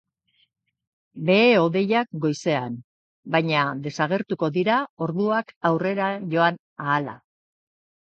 Behe-hodeiak goizean, baina desagertuko dira orduak aurrera joan ahala.